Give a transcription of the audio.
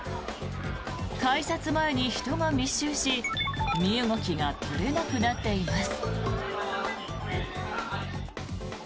改札前に人が密集し身動きが取れなくなっています。